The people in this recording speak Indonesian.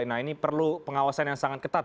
nah ini perlu pengawasan yang sangat ketat